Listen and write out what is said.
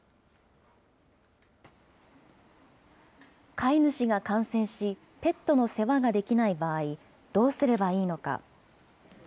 飼い主が感染し、ペットの世話ができない場合、どうすればいいのか。